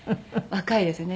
若いですね。